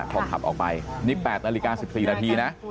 ของขับออกไปนี่แปดนาฬิกาสิบสี่นาทีนะ